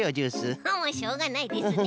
もうしょうがないですね。